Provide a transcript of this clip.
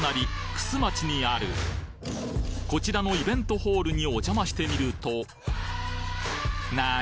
玖珠町にあるこちらのイベントホールにお邪魔してみると何！？